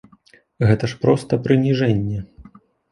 Гэта ж проста прыніжэнне.